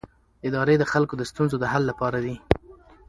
ادارې د خلکو د ستونزو د حل لپاره دي